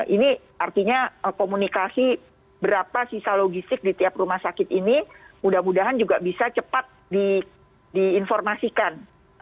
ini artinya komunikasi berapa sisa logistik di tiap rumah sakit ini mudah mudahan juga bisa cepat diinformasikan